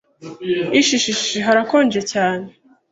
Ishishishi harakonje cyane